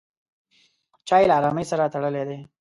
چای له ارامۍ سره تړلی دی.